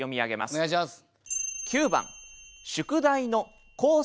お願いします。